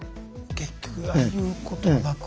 結局言うことはなく。